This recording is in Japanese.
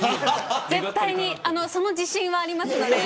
絶対にその自信はありますので。